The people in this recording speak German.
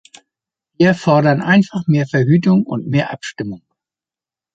Wir fordern einfach mehr Verhütung und mehr Abstimmung.